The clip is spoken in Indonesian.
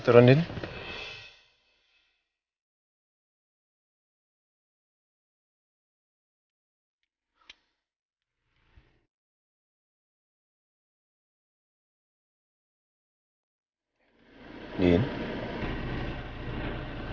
pernah dia kristen